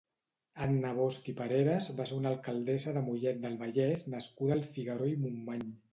Anna Bosch i Pareras va ser una alcaldessa de Mollet del Vallès nascuda al Figueró i Montmany.